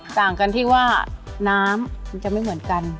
ต่างกันที่ว่าน้ำมันจะไม่เหมือนกัน